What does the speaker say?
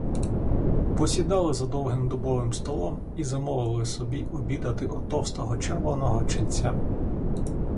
Посідали за довгим дубовим столом і замовили собі обідати у товстого, червоного ченця.